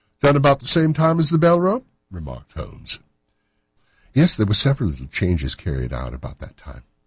"Done about the same time as the bell rope?" remarked Holmes. "Yes, there were several little changes carried out about that time."